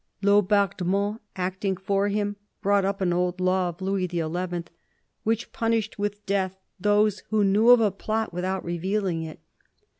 Laubardemont, acting for him, brought up an old law of Louis XI. which punished with death those who knew of a plot without revealing it.